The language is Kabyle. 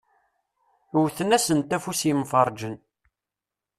Wwten-asent afus yemferrǧen.